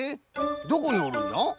どこにおるんじゃ？